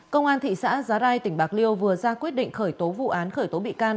công an thị xã giá rai tỉnh bạc liêu vừa ra quyết định khởi tố vụ án khởi tố bị can